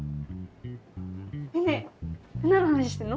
ねえねえ何の話してんの？